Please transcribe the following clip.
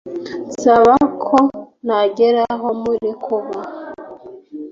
nsaba ko nagera aho muri kuba